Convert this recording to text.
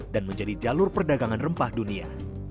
dan menjadi jalur perdagangan rempah dunia